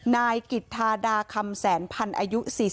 นายกิจธาดาคำแสนพันธ์อายุ๔๒